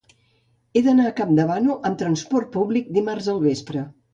He d'anar a Campdevànol amb trasport públic dimarts al vespre.